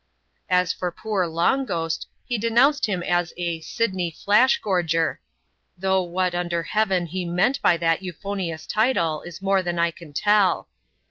As for poor Long Grhost, he denounced him as a " Sydney Flash Gorger ;" though what under heaven he meant by that euphonious title, is more than I can tell.